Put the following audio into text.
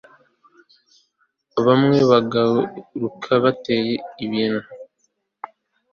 bwawe bugarukira kwitega ibintu